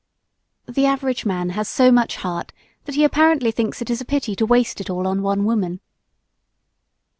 The average man has so much heart that he apparently thinks it a pity to waste it all on one woman.